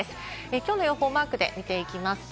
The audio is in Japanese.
きょうの予報をマークで見ていきましょう。